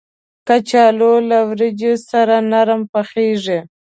کچالو له وریجو سره نرم پخېږي